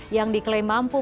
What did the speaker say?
yang diklaim mampu mendukung